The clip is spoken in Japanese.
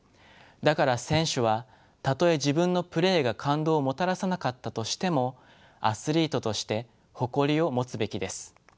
だから選手はたとえ自分のプレーが感動をもたらさなかったとしてもアスリートとして誇りを持つべきです。